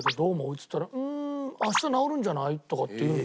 っつったら「明日治るんじゃない？」とかって言うの。